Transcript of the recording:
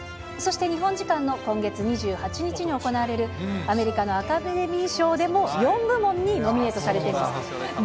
そして日本時間の今月２８日に行われるアメリカのアカデミー賞でも、４部門にノミネートされています。